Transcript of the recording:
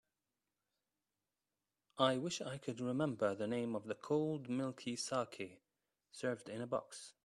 I wish I could remember the name of the cold milky saké served in a box.